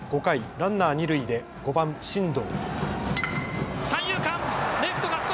ランナー二塁で５番・進藤。